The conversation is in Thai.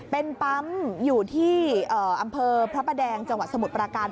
เป็นปั๊มอยู่ที่อำเภอพระประแดงจังหวัดสมุทรปราการ